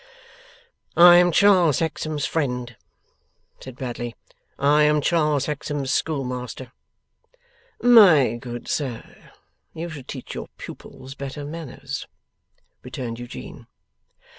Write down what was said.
'I am Charles Hexam's friend,' said Bradley; 'I am Charles Hexam's schoolmaster.' 'My good sir, you should teach your pupils better manners,' returned Eugene.